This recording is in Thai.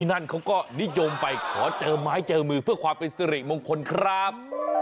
นั่นเขาก็นิยมไปขอเจอไม้เจอมือเพื่อความเป็นสิริมงคลครับ